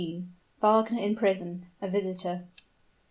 WAGNER IN PRISON A VISITOR.